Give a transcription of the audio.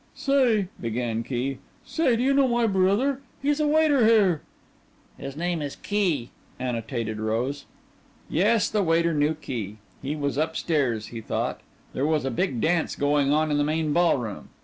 "Say," began Key, "say, do you know my brother? He's a waiter here." "His name is Key," annotated Rose. Yes, the waiter knew Key. He was up stairs, he thought. There was a big dance going on in the main ballroom.